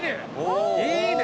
いいね！